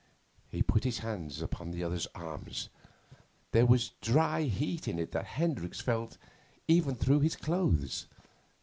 He put his hand upon the other's arm. There was dry heat in it that Hendricks felt even through his clothes.